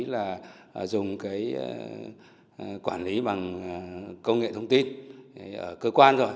là dùng cái quản lý bằng công nghệ thông tin ở cơ quan rồi